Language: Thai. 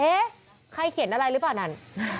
ใครเขียนอะไรหรือเปล่านั่น